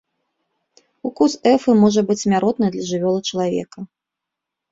Укус эфы можа быць смяротны для жывёл і чалавека.